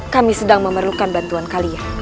kami sedang memerlukan bantuan kalian